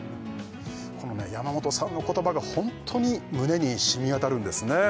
このね山本さんの言葉がホントに胸に染み渡るんですね